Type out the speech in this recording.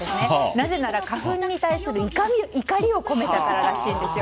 なぜなら、花粉に対する怒りを込めたかららしいんです。